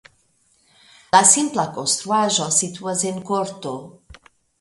La simpla konstruaĵo situas en korto.